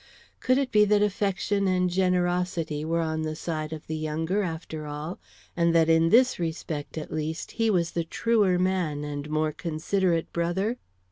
Could it be that affection and generosity were on the side of the younger after all, and that in this respect, at least, he was the truer man and more considerate brother?